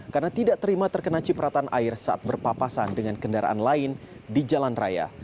karena tidak terima terkena cipratan air saat berpapasan dengan kendaraan lain di jalan raya